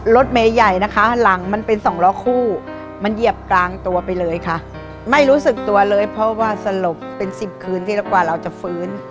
รถเมย์ใหญ่นะคะหลังมันเป็นสองล้อคู่มันเหยียบกลางตัวไปเลยค่ะไม่รู้สึกตัวเลยเพราะว่าสลบเป็นสิบคืนทีละกว่าเราจะฟื้น